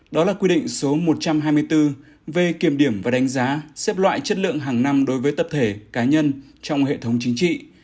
đó là quy định số một trăm hai mươi bốn về kiểm điểm và đánh giá xếp loại chất lượng hàng năm đối với tập thể cá nhân trong hệ thống chính trị